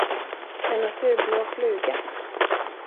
En azurblå fluga.